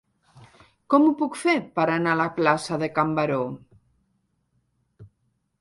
Com ho puc fer per anar a la plaça de Can Baró?